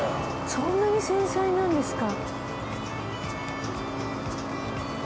そんなに繊細なんですか。